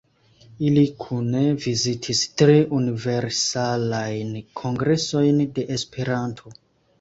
Ili kune vizitis tri Universalajn Kongresojn de Esperanto.